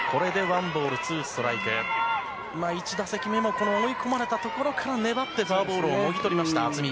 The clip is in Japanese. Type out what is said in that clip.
１打席目も追い込まれたところから粘ってフォアボールをもぎ取った渥美。